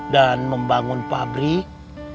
dan membangn pabrik